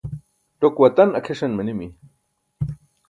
ṭok watan akʰeṣan manimi